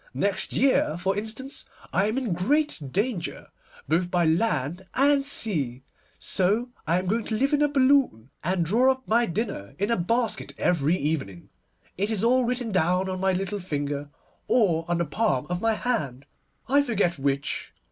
Next year, for instance, I am in great danger, both by land and sea, so I am going to live in a balloon, and draw up my dinner in a basket every evening. It is all written down on my little finger, or on the palm of my hand, I forget which.